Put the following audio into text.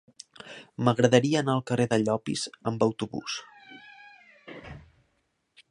M'agradaria anar al carrer de Llopis amb autobús.